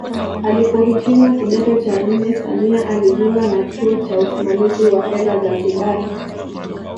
Alipohitimu kidato cha nne Samia alijiunga na chuo cha usimamizi wa fedha Zanzibari